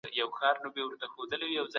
دغه کیسه د متقابل احترام ښه بېلګه ده.